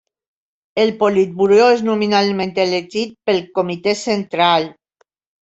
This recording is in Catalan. El Politburó és nominalment elegit pel Comitè Central.